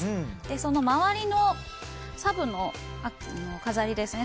その周りのサブの飾りですね。